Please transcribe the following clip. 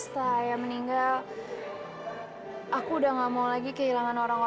karena itu aku gak mau kehilangan kamu